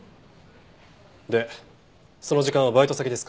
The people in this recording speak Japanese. でその時間はバイト先ですか？